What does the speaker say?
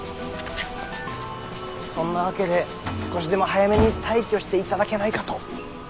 そんなわけで少しでも早めに退去していただけないかと。